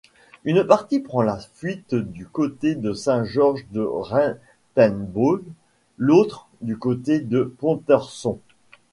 Une partie prend la fuite du côté de Saint-Georges-de-Reintembault, l'autre, du côté de Pontorson.